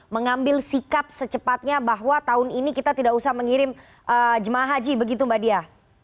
mengambil sikap secepatnya bahwa tahun ini kita tidak usah mengirim jemaah haji begitu mbak dia